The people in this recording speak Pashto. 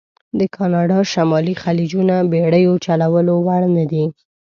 د کانادا شمالي خلیجونه بېړیو چلولو وړ نه دي.